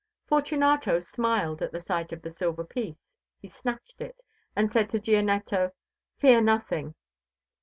Fortunato smiled at the sight of the silver piece; he snatched it, and said to Gianetto: "Fear nothing."